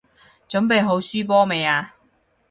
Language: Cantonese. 準備好輸波未啊？